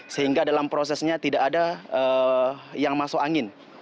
sehingga dalam prosesnya tidak ada yang masuk angin